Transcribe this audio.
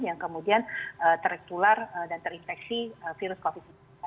yang kemudian terinfeksi virus covid sembilan belas